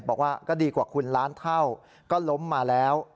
บอกว่าก็ดีกว่าคุณล้านเท่าก็ล้มมาแล้ว